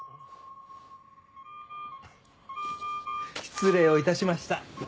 失礼を致しました。